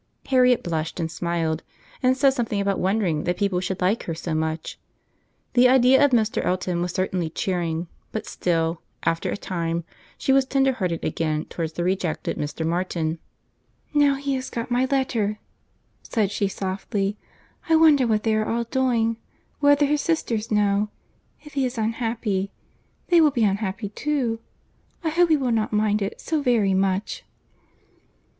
Harriet blushed and smiled, and said something about wondering that people should like her so much. The idea of Mr. Elton was certainly cheering; but still, after a time, she was tender hearted again towards the rejected Mr. Martin. "Now he has got my letter," said she softly. "I wonder what they are all doing—whether his sisters know—if he is unhappy, they will be unhappy too. I hope he will not mind it so very much."